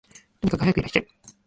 とにかくはやくいらっしゃい